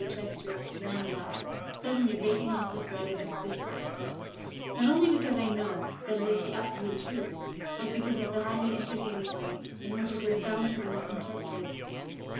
Chesterton's Man alive), suddenly breaking off the thread of his discourse, "not only because I know that it is the absolute truth, but because of the highly enter taining way in which it is bound to be misin terpreted.